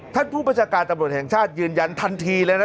ผู้บัญชาการตำรวจแห่งชาติยืนยันทันทีเลยนะ